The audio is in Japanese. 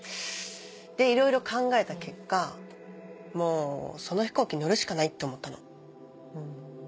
でいろいろ考えた結果もうその飛行機に乗るしかないって思ったの。